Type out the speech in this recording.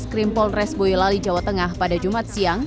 skrimpol resboyo lali jawa tengah pada jumat siang